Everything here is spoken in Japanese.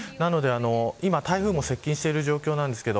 今台風も接近している状況です。